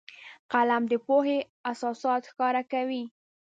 قلم د پوهې اساسات ښکاره کوي